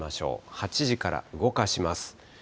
８時から動かします。